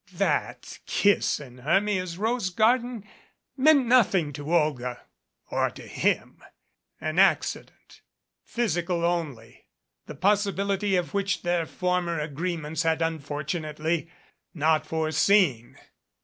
That kiss in Hermia's rose garden meant nothing to Olga or to him. An accident physical only the possibility of which their former agreements had unfor tunately not foreseen.